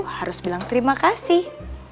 harus bilang terima kasih